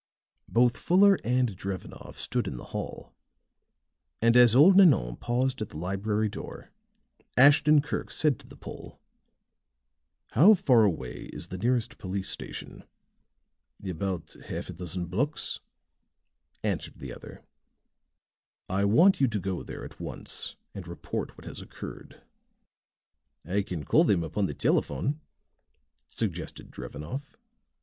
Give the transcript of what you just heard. Both Fuller and Drevenoff stood in the hall; and as old Nanon paused at the library door, Ashton Kirk said to the Pole: "How far away is the nearest police station?" "About half a dozen blocks," answered the other. "I want you to go there at once and report what has occurred." "I can call them upon the telephone," suggested Drevenoff.